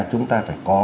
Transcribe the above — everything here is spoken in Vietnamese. chúng ta phải có